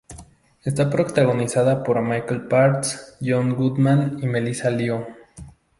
Está protagonizada por Michael Parks, John Goodman y Melissa Leo.